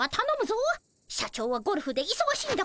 社長はゴルフでいそがしいんだからな。